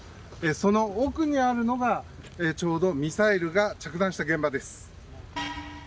その奥にあるのが、ちょうどミサイルが着弾した現場です。